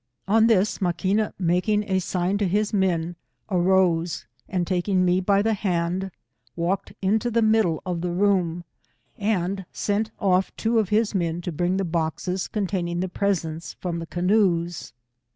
On this Ma quina making a sign to his men, arose and taking me by the hand, walked into the middle of the room, and sent off two of his men to bring ihe boxes containing the presents from the canoes.